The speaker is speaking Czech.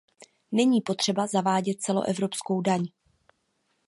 Není potřeba zavádět celoevropskou daň.